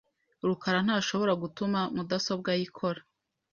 rukara ntashobora gutuma mudasobwa ye ikora .